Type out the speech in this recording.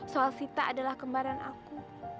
soal sita adalah kembaran aku